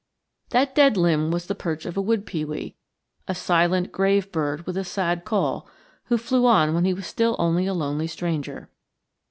That dead limb was the perch of a wood pewee, a silent grave bird with a sad call, who flew on when he was still only a lonely stranger.